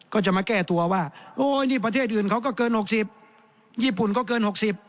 ก็จะมาแก้ตัวว่าโอ้ยนี่ประเทศอื่นเขาก็เกิน๖๐ญี่ปุ่นก็เกิน๖๐